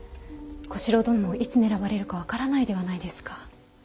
小四郎殿もいつ狙われるか分からないではないですか。